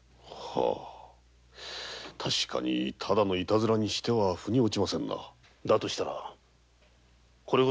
確かにただのいたずらにしてはふに落ちませんな。